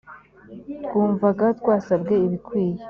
twumvaga twasabwe ibikwiye.